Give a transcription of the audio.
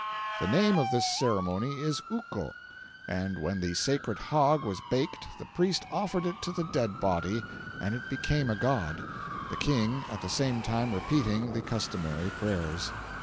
The name of this ceremony is uko; and when the sacred hog was baked the priest offered it to the dead body, and it became a god, the King at the same time repeating the customary prayers.